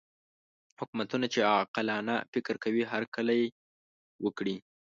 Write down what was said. حکومتونه چې عاقلانه فکر کوي هرکلی وکړي.